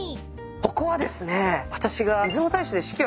ここはですね私が。